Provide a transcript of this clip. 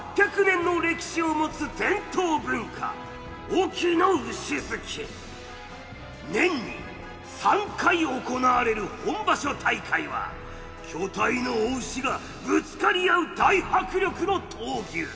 隠岐の島町で開催される年に３回行われる本場所大会は巨体の雄牛がぶつかり合う大迫力の闘牛。